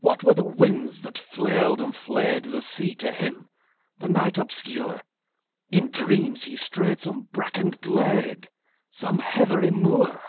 What were the winds that flailed and flayedThe sea to him, the night obscure? In dreams he strayed some brackened glade, Some heathery moor.